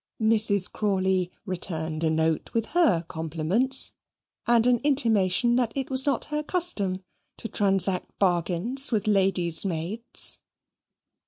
Mrs. Crawley returned a note with her compliments, and an intimation that it was not her custom to transact bargains with ladies' maids.